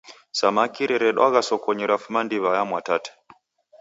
Samaki riredwagha sokonyi rafuma ndiw'a ya Mwatate.